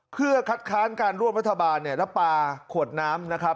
เพื่อคัดค้านการร่วมรัฐบาลและปลาขวดน้ำ